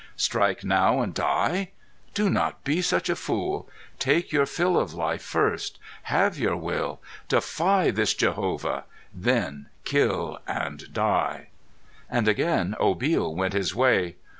Strike now and die? Do not be such a fool. Take your fill of life first. Have your will. Defy this Jehovah. Then kill, and die." And again Obil went his way.